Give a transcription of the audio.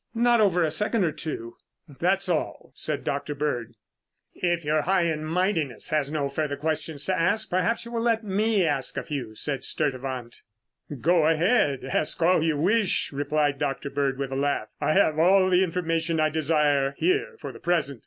"Not over a second or two." "That's all," said Dr. Bird. "If your high and mightiness has no further questions to ask, perhaps you will let me ask a few," said Sturtevant. "Go ahead, ask all you wish," replied Dr. Bird with a laugh. "I have all the information I desire here for the present.